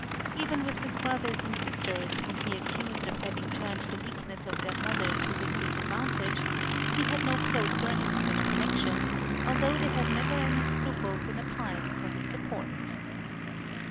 Even with his brothers and sisters, whom he accused of having turned the weakness of their mother to his disadvantage, he had no close or intimate connection, although they had never any scruples in applying for his support.